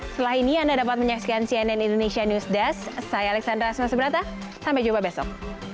setelah ini anda dapat menyaksikan cnn indonesia news desk